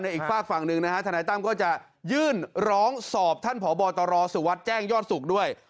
อีกฝากฝั่งหนึ่งนะฮะทนายตั้มก็จะยื่นร้องสอบท่านผอบตรสุวัสดิ์แจ้งยอดสุขด้วย